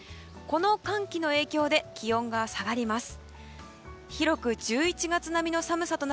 この寒気の影響で気温が下がります。